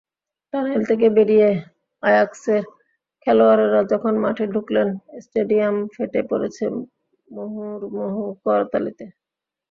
Tunnel থেকে বেরিয়ে আয়াক্সের খেলোয়াড়েরা যখন মাঠে ঢুকলেন, স্টেডিয়াম ফেটে পড়েছে মুহুর্মুহু করতালিতে।